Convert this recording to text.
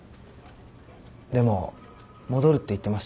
でも戻るって言ってました。